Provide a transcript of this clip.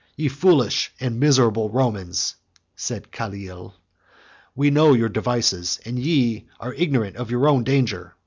"Ye foolish and miserable Romans," said Calil, "we know your devices, and ye are ignorant of your own danger!